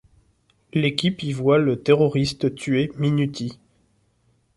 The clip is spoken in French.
L'équipe y voit le terroriste tuer Minuti.